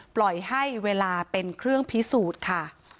ปล่อยให้เวลาเป็นเครื่องพิสูจน์ค่ะ